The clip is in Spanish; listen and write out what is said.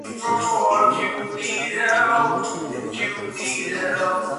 Barragán Empezó el proyecto en el Instituto de Diseño de la Interacción Ivrea.